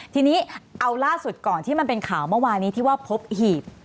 ทีนี้เอาล่าสุดก่อนที่มันเป็นข่าวเมื่อวานี้ที่ว่าพบหีบ